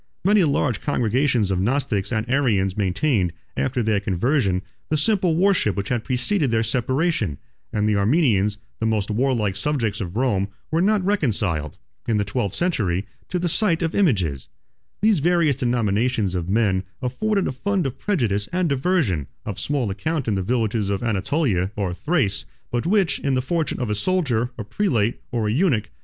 Many large congregations of Gnostics and Arians maintained, after their conversion, the simple worship which had preceded their separation; and the Armenians, the most warlike subjects of Rome, were not reconciled, in the twelfth century, to the sight of images. 17 These various denominations of men afforded a fund of prejudice and aversion, of small account in the villages of Anatolia or Thrace, but which, in the fortune of a soldier, a prelate, or a eunuch, might be often connected with the powers of the church and state.